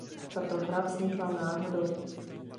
Tato hra vznikla náhodou.